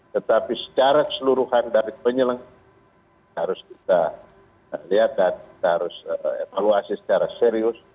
tetapi secara keseluruhan dari penyelenggara harus kita lihat dan kita harus evaluasi secara serius